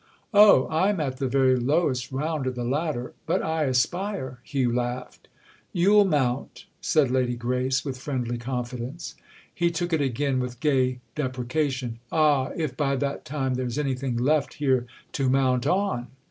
"Oh, I'm at the very lowest round of the ladder. But I aspire!" Hugh laughed. "You'll mount!" said Lady Grace with friendly confidence. He took it again with gay deprecation. "Ah, if by that time there's anything left here to mount on!"